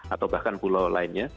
atau bahkan pulau lainnya